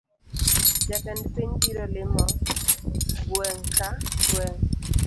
Jatend piny biro limo gweng’ ka gweng’